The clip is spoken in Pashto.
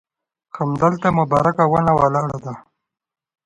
همدلته مبارکه ونه ولاړه ده.